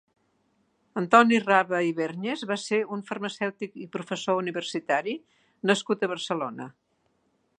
Antoni Rave i Bergnes va ser un farmacèutic i professor universitari nascut a Barcelona.